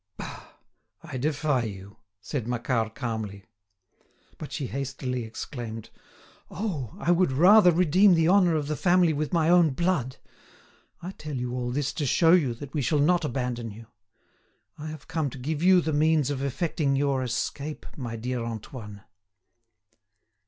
"Bah! I defy you," said Macquart calmly. But she hastily exclaimed: "Oh! I would rather redeem the honour of the family with my own blood. I tell you all this to show you that we shall not abandon you. I have come to give you the means of effecting your escape, my dear Antoine."